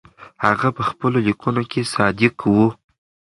هغه په خپلو لیکنو کې صادق و.